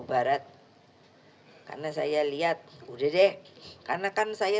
barat karena saya lihat udah deh karena kan saya